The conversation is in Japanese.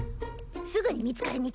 すぐに見つかるに違い